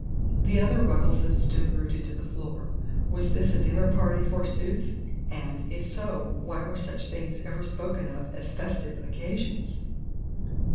The other Ruggleses stood rooted to the floor. Was this a dinner party, forsooth; and, if so, why were such things ever spoken of as festive occasions?